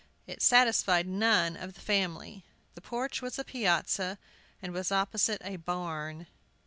It satisfied none of the family. The porch was a piazza, and was opposite a barn.